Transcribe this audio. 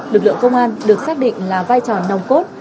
lực lượng công an được xác định là vai trò nòng cốt